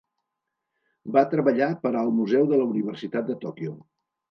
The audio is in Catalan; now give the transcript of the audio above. Va Treballar per al Museu de la Universitat de Tòquio.